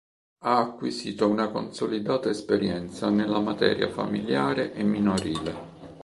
Ha acquisito una consolidata esperienza nella materia familiare e minorile.